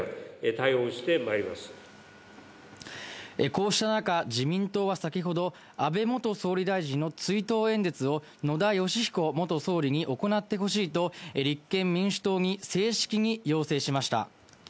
こうした中、自民党は先ほど、安倍元総理大臣の追悼演説を野田佳彦元総理に行ってほしいと立憲民主党に正式に要請しました。